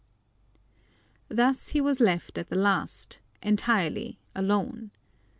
Thus he was left at the last, entirely alone.